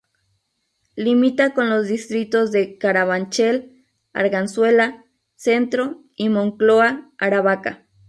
Limita con los distritos de: Carabanchel, Arganzuela, Centro y Moncloa-Aravaca.